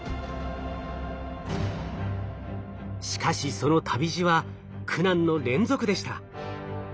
しかしその旅路は苦難の連続でした。